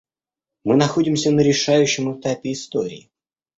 Мы находимся на решающем этапе истории.